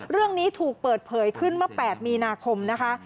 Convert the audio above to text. เรื่องนี้ถูกเปิดเผยขึ้นเมื่อ๘มีนาคมนะคะ